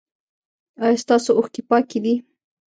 ایا ستاسو اوښکې پاکې دي؟